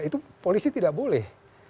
itu polisi tidak boleh